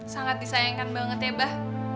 sangat disayangkan banget ya bah